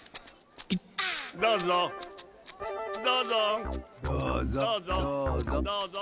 どうぞどうぞどうぞどうぞ。